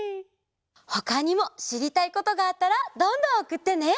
ほかにもしりたいことがあったらどんどんおくってね。